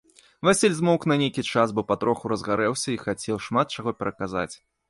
Васіль змоўк на нейкі час, бо патроху разгарэўся і хацеў шмат чаго пераказаць.